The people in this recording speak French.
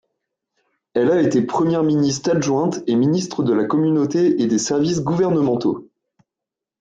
Elle a été première-ministre adjointe et ministre de la Communauté et des Services gouvernementaux.